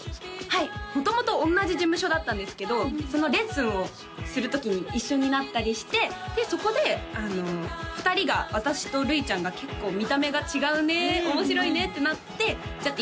はい元々同じ事務所だったんですけどそのレッスンをする時に一緒になったりしてでそこで２人が私とルイちゃんが結構見た目が違うね面白いねってなってじゃあＴｉｋＴｏｋ